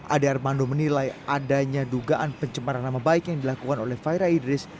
ade armando menilai adanya dugaan pencemaran nama baik yang dilakukan oleh fahira idris